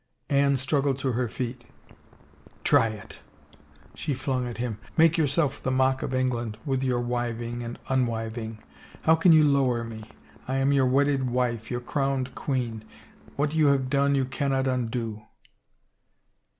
Anne struggled to her feet. " Try it I " she flung at him. " Make yourself the mock of England with your wiving and unwivingi ... How can you lower me? I am your wedded wife — your crowned queen. What you have done you cannot undo."